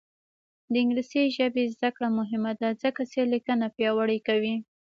د انګلیسي ژبې زده کړه مهمه ده ځکه چې لیکنه پیاوړې کوي.